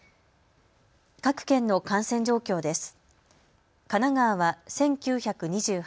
各県の感染状況です。